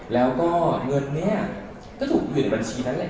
แล้วก็เงินนี้ก็ถูกอยู่ในบัญชีนั้นแหละ